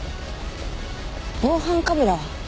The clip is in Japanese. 防犯カメラは？